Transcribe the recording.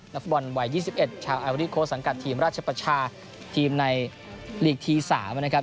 ฟุตบอลวัย๒๑ชาวแอริโค้สังกัดทีมราชประชาทีมในลีกที๓นะครับ